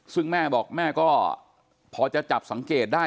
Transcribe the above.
ซึ่งแม่บอกแม่ก็พอจะจับสังเกตได้